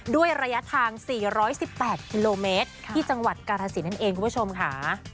ด้วยระยะทาง๔๑๘กิโลเมตรที่จังหวัดกาลสินนั่นเองคุณผู้ชมค่ะ